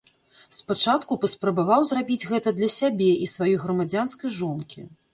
Спачатку паспрабаваў зрабіць гэта для сябе і сваёй грамадзянскай жонкі.